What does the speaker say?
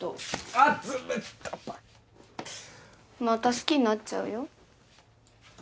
また好きになっちゃうよ。